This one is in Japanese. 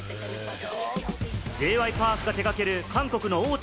Ｊ．Ｙ．Ｐａｒｋが手掛ける韓国の大手